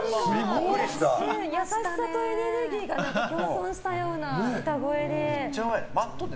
優しさとエネルギーが共存したような歌声で。